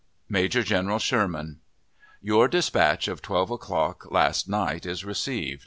Major General SHERMAN: Your dispatch of twelve o'clock last night is received.